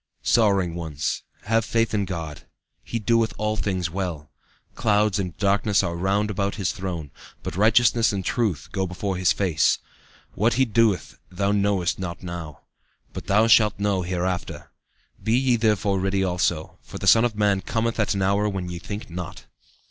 "Sorrowing ones, have faith in God. He doeth all things well. Clouds and darkness are round about His throne, but righteousness and truth go before His face. What He doeth thou knowest not now, but thou shalt know hereafter. Be ye therefore ready also, for the Son of man cometh at an hour when ye think not."